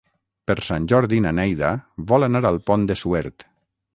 Per Sant Jordi na Neida vol anar al Pont de Suert.